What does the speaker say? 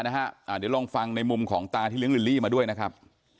เดี๋ยวลองฟังในมุมของตาที่เลี้ยลิลลี่มาด้วยนะครับ